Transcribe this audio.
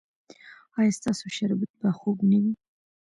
ایا ستاسو شربت به خوږ نه وي؟